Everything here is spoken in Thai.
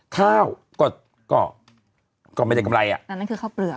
ข้าวก็ก็ไม่ได้กำไรอ่ะนั่นคือข้าวเปลือก